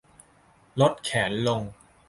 ลดแขนลง